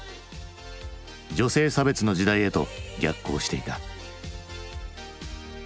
女性差別の時代へと逆行していた。